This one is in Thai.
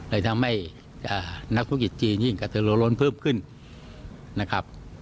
เลยทำให้นักธุรกิจจีนยิ่งกระเทือโลล้นเพิ่มขึ้นนะครับ